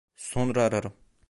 Sonra ararım.